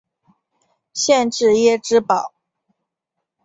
县治耶芝堡。